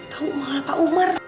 tau malah pak umar